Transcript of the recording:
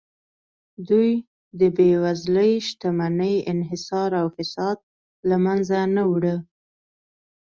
دوی د بېوزلۍ، شتمنۍ انحصار او فساد له منځه نه وړه